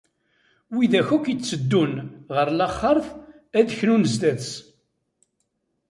Wid akk itteddun ɣer laxert ad knun sdat-s.